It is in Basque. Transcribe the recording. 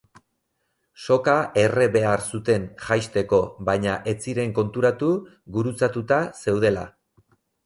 Soka erre behar zuten jaisteko, baina ez ziren konturatu gurutzatuta zeudela.